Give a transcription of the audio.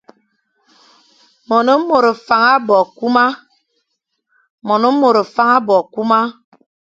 Mone mor faña bo kuma.